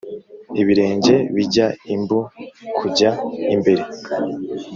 Ibirenge bijya imbu kujya imbere.